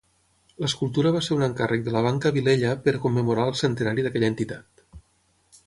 L'escultura va ser un encàrrec de la Banca Vilella, per commemorar el centenari d'aquella entitat.